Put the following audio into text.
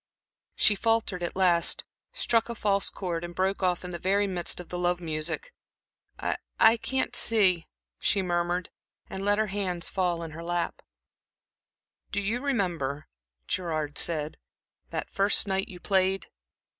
She faltered at last, struck a false chord, and broke off in the very midst of the love music. "I I can't see," she murmured, and let her hands fall in her lap. "Do you remember," Gerard said, "that first night you played?